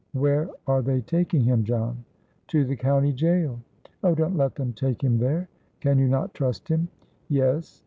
"Where are they taking him, John?" "To the county jail." "Oh, don't let them take him there. Can you not trust him?" "Yes."